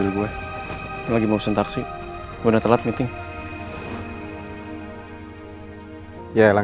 terima kasih banyak